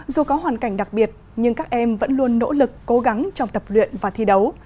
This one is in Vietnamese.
dù có hoàn cảnh đặc biệt nhưng các em vẫn luôn nỗ lực cố gắng trong tập luyện và thi đấu